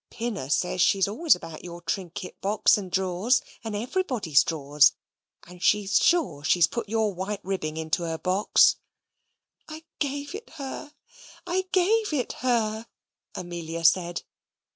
Pinner says she's always about your trinket box and drawers, and everybody's drawers, and she's sure she's put your white ribbing into her box." "I gave it her, I gave it her," Amelia said.